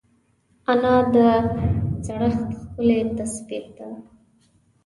انا د زړښت ښکلی تصویر ده